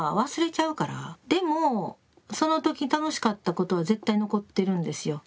でもその時楽しかったことは絶対残ってるんですよ。